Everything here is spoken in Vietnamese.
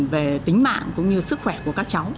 về tính mạng cũng như sức khỏe của các cháu